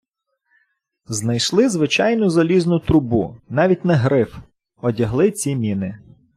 Знайшли звичайну залізну трубу, навіть не гриф, одягли ці міни.